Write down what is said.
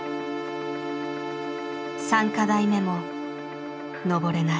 ３課題目も登れない。